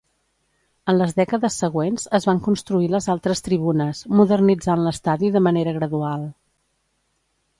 En les dècades següents es van construir les altres tribunes, modernitzant l'estadi de manera gradual.